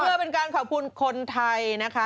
เพื่อเป็นการขอบคุณคนไทยนะคะ